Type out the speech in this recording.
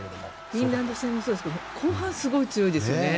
フィンランド戦もそうですが後半強いですよね。